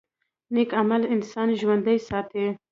نیک عمل انسان ژوندی ساتي